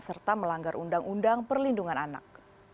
serta melanggar undang undang perlindungan anak